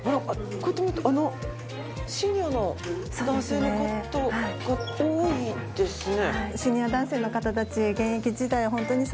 こうやって見るとあのシニアの男性の方が多いですね。